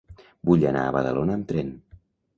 Vull anar a Badalona amb tren.